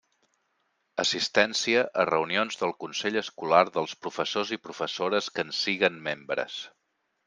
Assistència a reunions del consell escolar dels professors i professores que en siguen membres.